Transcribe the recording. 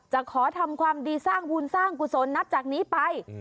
ขอทำความดีสร้างบุญสร้างกุศลนับจากนี้ไป